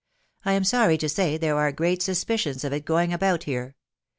... I am sorry to say there are great suspi cions of it going about here.